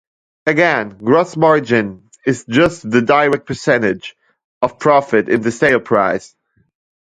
Again, gross margin is just the direct percentage of profit in the sale price.